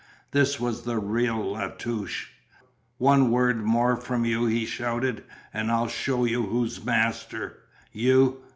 This was the real La Touche. "One word more from you," he shouted, "and I'll show you who's master. You!